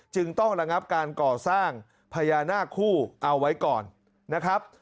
จึงต้องระงับการก่อสร้างพญานาคคู่เอาไว้ก่อนนะครับ